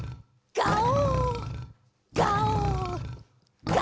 ガオ！